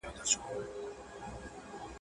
تا کاسه خپله وهلې ده په لته.